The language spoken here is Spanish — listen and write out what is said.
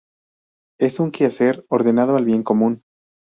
Es un que hacer ordenado al bien común.